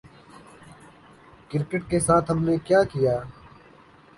Cricket کے ساتھ ہم نے کیا کیا؟